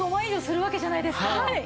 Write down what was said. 以上するわけじゃないですか。